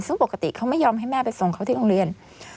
ซึ่งปกติเขาไม่ยอมให้แม่ไปส่งเขาที่โรงเรียน